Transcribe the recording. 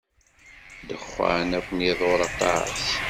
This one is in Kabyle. Ddexxan ad ken-iḍurr aṭas.